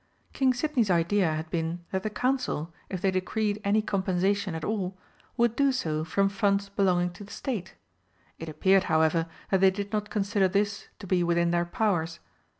King Sidney's idea had been that the Council, if they decreed any compensation at all, would do so from funds belonging to the State. It appeared, however, that they did not consider this to be within their powers.